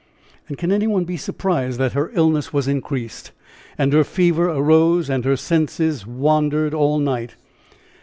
And can any one be surprised that her illness was increased, and her fever arose and her senses wandered all night?